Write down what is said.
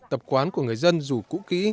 tập quán của người dân dù cũ kĩ